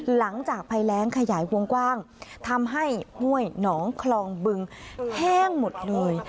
หลังจากภัยแรงขยายวงกว้างทำให้ห้วยหนองคลองบึงแห้งหมดเลย